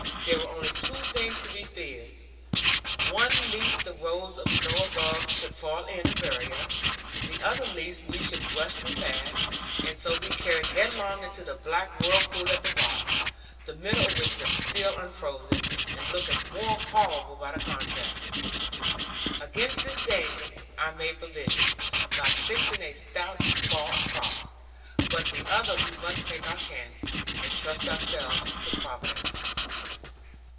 There were only two things to be feared; one lest the rolls of snow above should fall in and bury us; the other lest we should rush too fast, and so be carried headlong into the black whirlpool at the bottom, the middle of which was still unfrozen, and looking more horrible by the contrast. Against this danger I made provision, by fixing a stout bar across; but of the other we must take our chance, and trust ourselves to Providence.